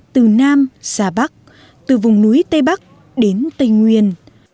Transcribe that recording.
từ nam xa bắc từ vùng núi tây bắc đến tây nguyên